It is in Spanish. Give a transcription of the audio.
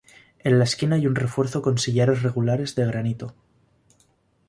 En la esquina hay un refuerzo con sillares regulares de granito.